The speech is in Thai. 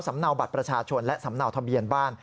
เนาบัตรประชาชนและสำเนาทะเบียนบ้าน